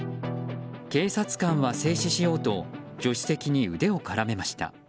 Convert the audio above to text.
警察官は制止しようと助手席に腕を絡めました。